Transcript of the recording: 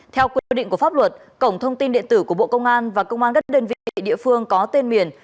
theo quy định của pháp luật cổng thông tin điện tử của bộ công an và công an các đơn vị địa phương có tên miền